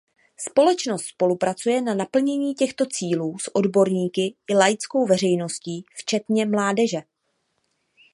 Společnost spolupracuje na naplnění těchto cílů s odborníky i laickou veřejností včetně mládeže.